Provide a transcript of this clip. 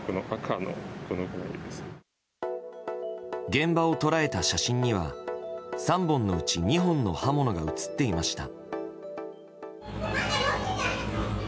現場を捉えた写真には３本のうち２本の刃物が写っていました。